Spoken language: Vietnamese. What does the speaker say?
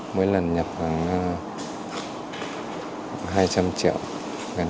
mỗi lần nhập khoảng hai trăm linh triệu gần hai trăm linh